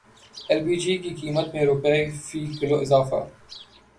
L P G کی قیمت میں روپے فی کلو اضافہ